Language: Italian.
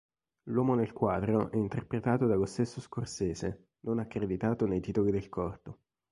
L'uomo nel quadro è interpretato dallo stesso Scorsese, non accreditato nei titoli del corto.